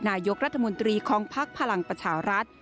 นายกรัฐมนตรีของภักดิ์พลังประชารัฐ